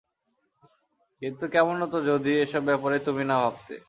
কিন্তু কেমন হতো যদি এসব ব্যাপারে তুমি না ভাবতে।